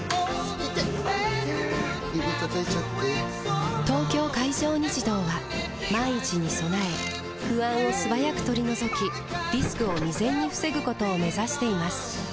指たたいちゃって・・・「東京海上日動」は万一に備え不安を素早く取り除きリスクを未然に防ぐことを目指しています